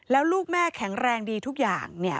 แล้วลูกแม่แข็งแรงดีทุกอย่างเนี่ย